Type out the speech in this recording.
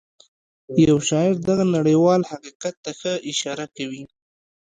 يو شاعر دغه نړيوال حقيقت ته ښه اشاره کوي.